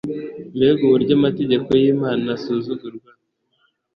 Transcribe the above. Mbega uburyo amategeko yImana asuzugurwa